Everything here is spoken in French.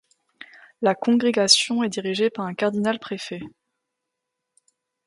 La congrégation est dirigée par un cardinal-préfet.